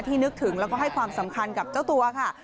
นึกถึงแล้วก็ให้ความสำคัญกับเจ้าตัวค่ะ